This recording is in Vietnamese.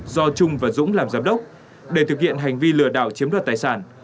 do trung và dũng làm giám đốc để thực hiện hành vi lừa đảo chiếm đoạt tài sản